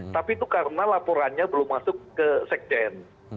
tapi itu karena laporannya belum masuk ke sekjen